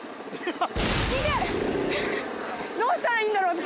イテッどうしたらいいんだろう私